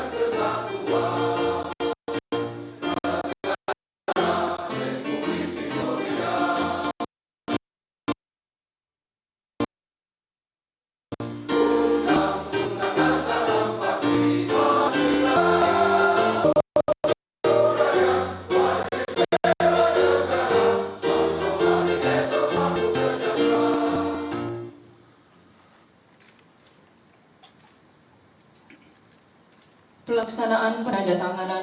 pernah pernah tak salah partiku sila